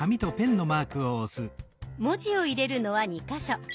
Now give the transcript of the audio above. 文字を入れるのは２か所。